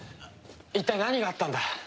一体何があったんだ？